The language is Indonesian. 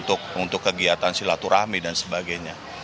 untuk kegiatan silaturahmi dan sebagainya